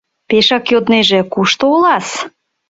Пешак йоднеже: кушто Олас?